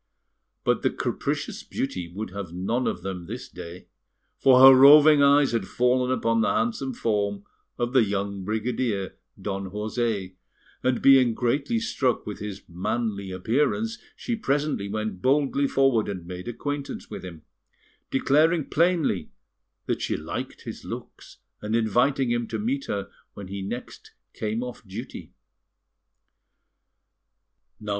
But the capricious beauty would have none of them this day, for her roving eye had fallen upon the handsome form of the young brigadier, Don José, and being greatly struck with his manly appearance, she presently went boldly forward and made acquaintance with him, declaring plainly that she liked his looks, and inviting him to meet her when next he came off duty.